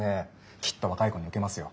きっと若い子に受けますよ。